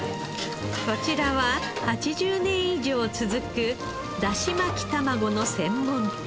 こちらは８０年以上続くだし巻き卵の専門店。